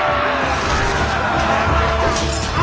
ああ！